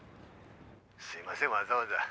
すいませんわざわざ。